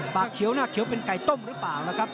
ปากเชียวหน้าเก๋ยวเป็นไก่ต้มหรือเปล่า